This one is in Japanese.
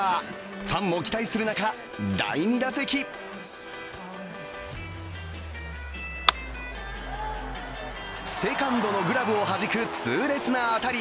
ファンも期待する中、第２打席セカンドのグラブをはじく痛烈な当たり。